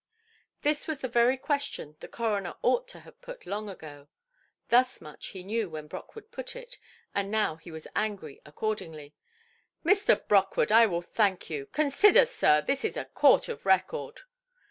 This was the very question the coroner ought to have put long ago. Thus much he knew when Brockwood put it, and now he was angry accordingly. "Mr. Brockwood, I will thank you—consider, sir, this is a court of record"!